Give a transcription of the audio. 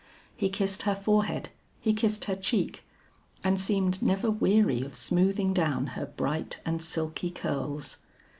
He kissed her forehead, he kissed her cheek, and seemed never weary of smoothing down her bright and silky curls.